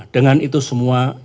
dengan itu semua